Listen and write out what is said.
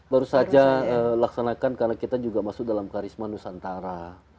baru saja laksanakan karena kita juga masuk dalam karisma nusantara